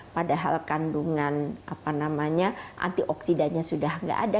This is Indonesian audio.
padahal kandungan apa namanya antioksidanya sudah nggak ada